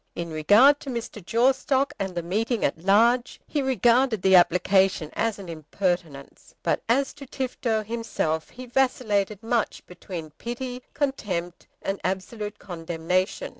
In regard to Mr. Jawstock and the meeting at large, he regarded the application as an impertinence. But as to Tifto himself he vacillated much between pity, contempt, and absolute condemnation.